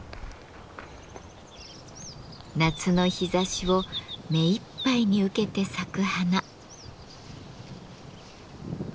夏の日ざしを目いっぱいに受けて咲く花。